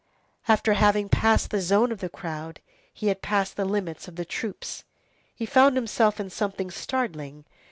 After having passed the zone of the crowd, he had passed the limits of the troops; he found himself in something startling.